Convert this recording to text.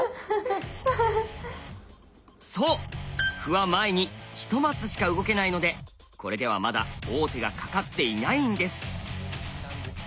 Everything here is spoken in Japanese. そう歩は前に１マスしか動けないのでこれではまだ王手がかかっていないんです。